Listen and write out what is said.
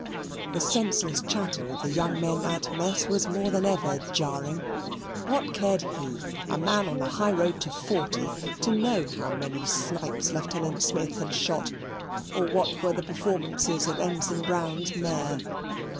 The senseless chatter of the young men at mess was more than ever jarring. What cared he, a man on the high road to forty, to know how many snipes Lieutenant Smith had shot, or what were the performances of Ensign Brown's mare?